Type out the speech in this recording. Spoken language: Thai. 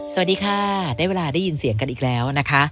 สวัสดีค่ะได้เวลาได้ยินเสียงกันอีกแล้วนะคะ